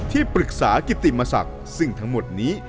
ที่ปรึกษากิติมศักดิ์ซึ่งทั้งหมดนี้